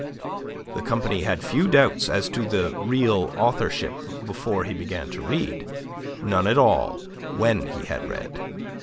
The company had few doubts as to the real authorship before he began to read; none at all when he had read.